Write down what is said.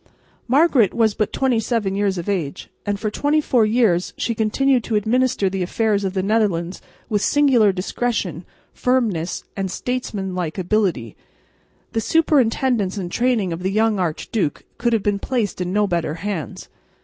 Margaret was but 27 years of age, and for twenty four years she continued to administer the affairs of the Netherlands with singular discretion, firmness and Statesmanlike ability. The superintendence and training of the young archduke could have been placed in no better hands.